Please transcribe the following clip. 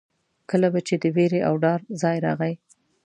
کله به چې د وېرې او ډار ځای راغی.